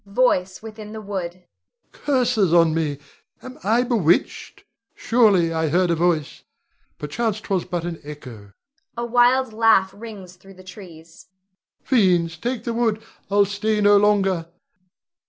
Voice [within the wood]. Never never! Rod. Curses on me! Am I bewitched? Surely, I heard a voice; perchance 'twas but an echo [a wild laugh rings through the trees]. Fiends take the wood! I'll stay no longer!